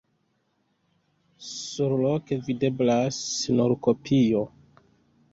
Surloke videblas nur kopio.